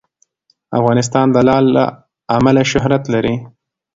افغانستان د لعل له امله شهرت لري.